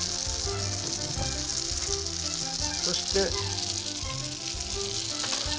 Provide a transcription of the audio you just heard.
そして。